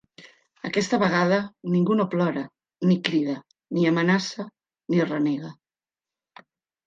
Aquesta vegada ningú no plora, ni crida, ni amenaça, ni renega...